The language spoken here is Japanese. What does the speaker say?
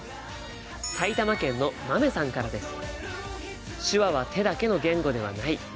埼玉県のまめさんからです。